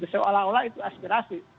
seolah olah itu aspirasi